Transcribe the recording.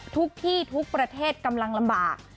ทุกที่ทุกประเทศกำลังลำบาก